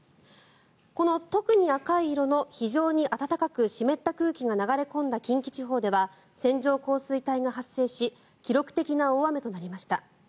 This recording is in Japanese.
この特に赤い色の非常に暖かく暖かく湿った空気が流れ込んだ近畿地方では線状降水帯が発生し記録的な大雨となりました。